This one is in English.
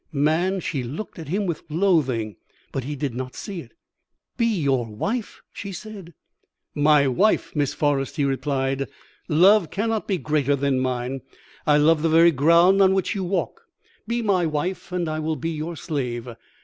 "Man, she looked at him with loathing, but he did not see it. "'Be your wife?' she said. "'My wife, Miss Forrest,' he replied. 'Love cannot be greater than mine. I love the very ground on which you walk. Be my wife and I will be your slave.